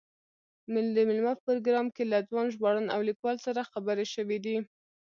د مېلمه پروګرام کې له ځوان ژباړن او لیکوال سره خبرې شوې دي.